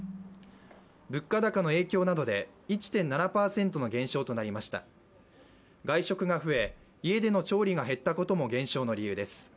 物価高の影響などで１．７％の減少となりました外食が増え、家での調理が減ったことも減少の理由です。